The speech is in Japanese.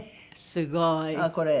すごい！ああこれ。